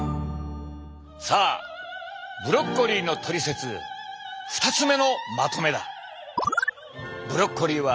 さあブロッコリーのトリセツ２つ目のまとめだ。